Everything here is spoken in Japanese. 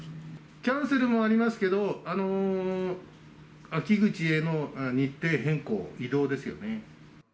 キャンセルもありますけど、秋口への日程変更、移動ですよね。